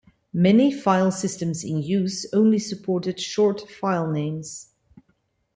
Many file systems in use only supported short filenames.